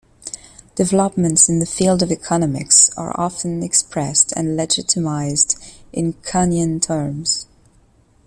Developments in the field of economics are often expressed and legitimized in Kuhnian terms.